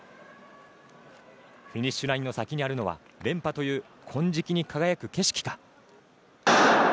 フィニッシュラインの先にあるのは連覇という金色に輝く景色か。